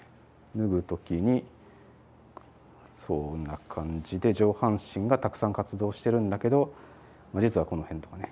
脱ぐ時にそんな感じで上半身がたくさん活動してるんだけど実はこの辺とかね